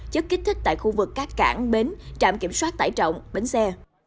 chất kích thích tại khu vực các cảng bến trạm kiểm soát tải trọng bến xe